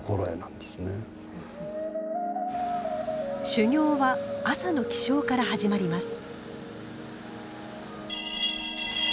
修行は朝の起床から始まります。